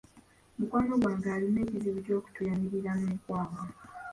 Mukwano gwange alina ekizibu ky'okutuuyanirira mu nkwawa.